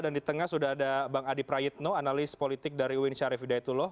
dan di tengah sudah ada bang adi prayitno analis politik dari uin syarif widayatullah